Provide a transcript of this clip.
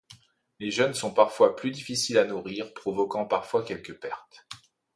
Les jeunes sont parfois plus difficiles à nourrir provoquant parfois quelques pertes.